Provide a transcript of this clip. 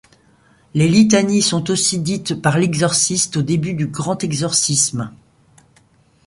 Les litanies sont aussi dites par l'exorciste au début du grand exorcisme.